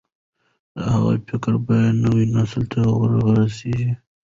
د هغه فکر بايد نوي نسل ته ورسول شي.